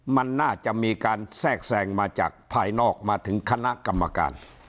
มันน่าจะมีการแทรกแทรงมาจากภายนอกมาถึงคณะกรรมการ